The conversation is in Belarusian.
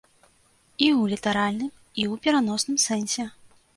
І ў літаральным, і ў пераносным сэнсе.